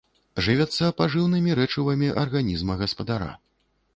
Жывяцца пажыўнымі рэчывамі арганізма гаспадара.